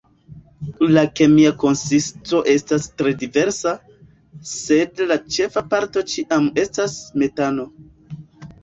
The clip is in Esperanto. La kemia konsisto estas tre diversa, sed la ĉefa parto ĉiam estas metano.